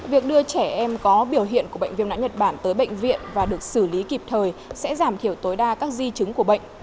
việc đưa trẻ em có biểu hiện của bệnh viêm não nhật bản tới bệnh viện và được xử lý kịp thời sẽ giảm thiểu tối đa các di chứng của bệnh